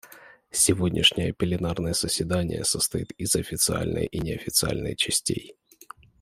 Сегодняшнее пленарное заседание состоит из официальной и неофициальной частей.